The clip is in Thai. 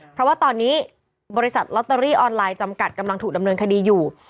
เพราะว่าตอนนี้บริษัทลอตเตอรี่ออนไลน์จำกัดกำลังถูกดำเนินคดีอยู่